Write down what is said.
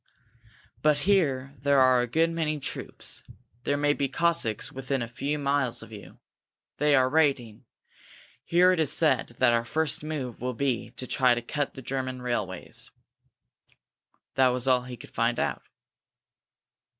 But here there are a good many troops. There may be Cossacks within a few miles of you. They are raiding. Here it is said that our first move will be to try to cut the German railways." That was all he could find out.